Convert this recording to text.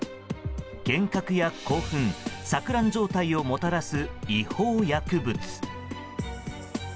幻覚や興奮錯乱状態をもたらす違法薬物。